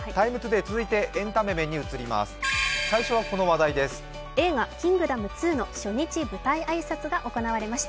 「ＴＩＭＥ，ＴＯＤＡＹ」、続いてエンタメ面にまいります。